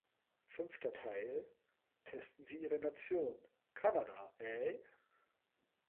Fünfter Teil „Testen Sie Ihre Nation: Kanada Eh?